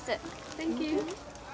サンキュー。